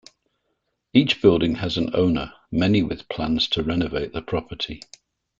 Each building has an owner, many with plans to renovate the property.